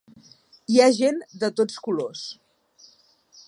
Hi ha gent de tots colors.